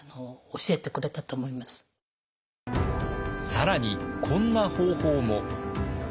更にこんな方法も。